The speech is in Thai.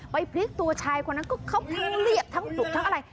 ไปพลิกตัวชายแบบนั้นก็ข้าวเรียบทั้งหลุขทั้งอะไร